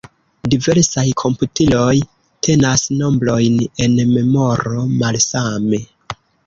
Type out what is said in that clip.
Diversaj komputiloj tenas nombrojn en memoro malsame.